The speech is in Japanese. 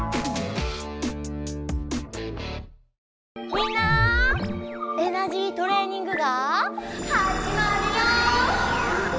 みんなエナジートレーニングがはじまるよ！